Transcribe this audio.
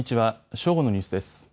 正午のニュースです。